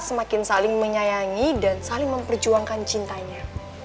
semakin saling menyayangi dan saling memperjuangkan cintanya